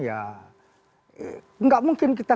ya gak mungkin kita